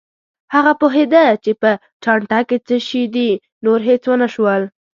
هغه پوهېده چې په چانټه کې څه شي دي، نور هېڅ ونه شول.